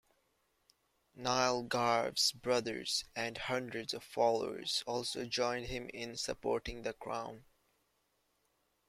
Niall Garve's brothers and hundreds of followers also joined him in supporting the Crown.